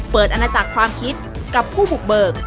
เปิดอันดับความคิดกับผู้บุกเบิก